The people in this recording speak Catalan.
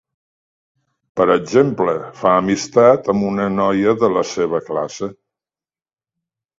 Per exemple, fa amistat amb una noia de la seva classe.